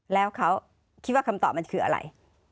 แล้วเขาคิดว่าคำตอบมันคืออะไร